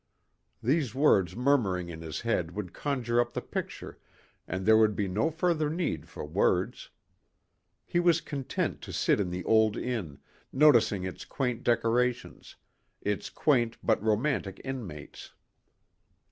These words murmuring in his head would conjure up the picture and there would be no further need for words. He was content to sit in the old inn, noticing its quaint decorations, its quaint but romantic inmates.